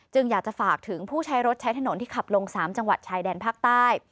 อยากจะฝากถึงผู้ใช้รถใช้ถนนที่ขับลง๓จังหวัดชายแดนภาคใต้